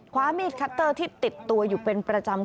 ความมีดคัตเตอร์ที่ติดตัวอยู่เป็นประจำ